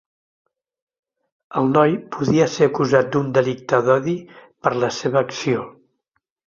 El noi podia ser acusat d’un delicte d’odi per la seva acció.